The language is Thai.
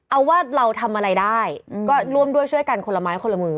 เอาว่าเราทำอะไรได้ก็ร่วมด้วยช่วยกันคนละไม้คนละมือ